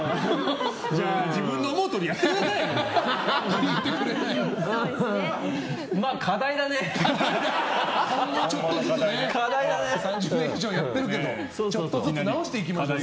じゃあ、自分の思うとおりやってくださいよ！